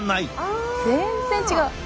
全然違う。